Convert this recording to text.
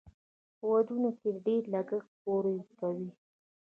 په ودونو کې ډیر لګښت پوروړي کوي.